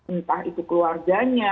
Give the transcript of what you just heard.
entah itu keluarganya